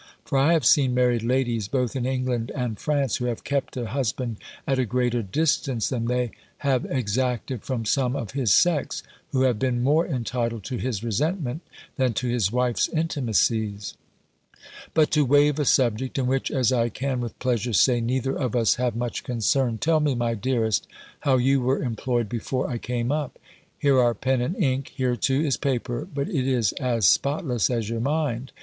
For I have seen married ladies, both in England and France, who have kept a husband at a greater distance than they have exacted from some of his sex, who have been more entitled to his resentment, than to his wife's intimacies. "But to wave a subject, in which, as I can with pleasure say, neither of us have much concern, tell me, my dearest, how you were employed before I came up? Here are pen and ink: here, too, is paper, but it is as spotless as your mind.